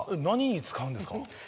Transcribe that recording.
何に使うんですか？